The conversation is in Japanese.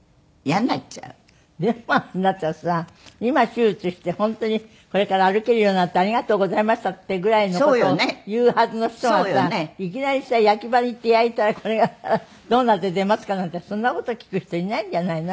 でもあなたさ今手術して本当にこれから歩けるようになってありがとうございましたっていうぐらいの事を言うはずの人がさいきなりさ「焼き場に行って焼いたらこれがどうなって出ますか？」なんてそんな事を聞く人いないんじゃないの？